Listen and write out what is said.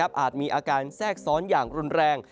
อาจมีอาการแทรกซ้อนอย่างรุนแรง